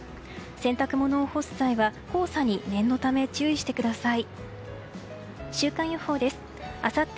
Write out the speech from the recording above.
洗濯物を干す際は黄砂に念のため注意してください。